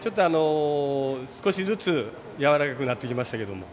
少しずつやわらかくなってきましたけど。